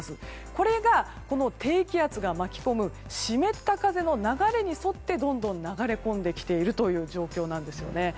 これが、低気圧が巻き込む湿った風の流れに沿ってどんどん流れ込んできているという状況なんですよね。